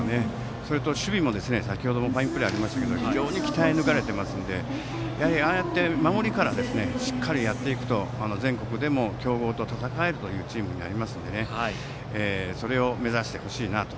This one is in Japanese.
それと守備も先程ファインプレーがありましたが非常に鍛え抜かれているのでああして守りからしっかりやっていくと、全国でも強豪と戦えるチームになりますのでそれを目指してほしいなと。